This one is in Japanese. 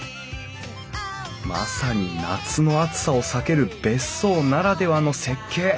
まさに夏の暑さを避ける別荘ならではの設計！